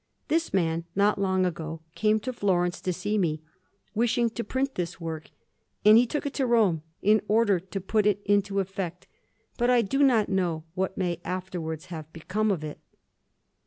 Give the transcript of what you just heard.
This man, not long ago, came to Florence to see me, wishing to print this work, and he took it to Rome, in order to put it into effect; but I do not know what may afterwards have become of it.